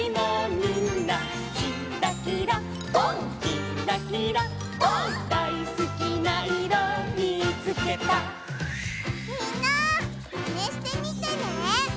みんなマネしてみてね！